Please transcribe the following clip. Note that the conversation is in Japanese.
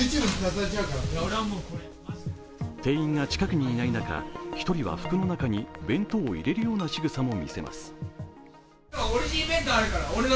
店員が近くにいない中、１人は服の中に弁当を入れるようなしぐさも見せます。